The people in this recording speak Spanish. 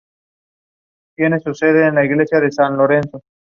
La empresa cotiza en la Bolsa italiana.